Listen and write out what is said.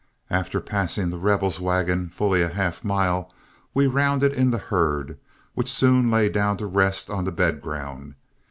After passing The Rebel's wagon fully a half mile, we rounded in the herd, which soon lay down to rest on the bedground.